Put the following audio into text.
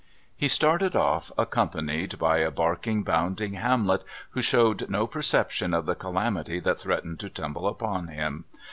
He started off, accompanied by a barking, bounding Hamlet, who showed no perception of the calamity that threatened to tumble upon him.